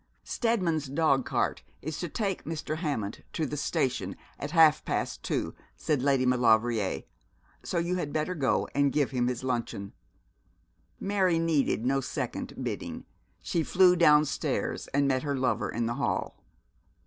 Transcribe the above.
'Steadman's dogcart is to take Mr. Hammond to the station at half past two,' said Lady Maulevrier, 'so you had better go and give him his luncheon.' Mary needed no second bidding. She flew downstairs, and met her lover in the hall.